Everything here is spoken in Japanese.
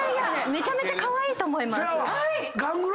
めちゃめちゃカワイイと思います。